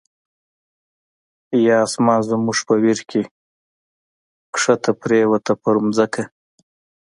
یا آسمان زموږ په ویر کی، ښکته پر یووته په ځمکه